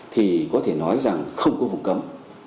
thì có thể nói rằng không có vùng cấm